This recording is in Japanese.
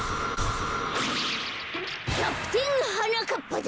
キャプテンはなかっぱだ！